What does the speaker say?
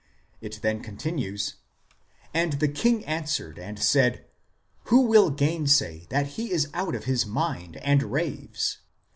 It then continues :" And the king answered and said, Who will gainsay that he is out of his mind, and raves